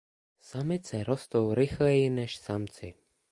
Samice rostou rychleji než samci.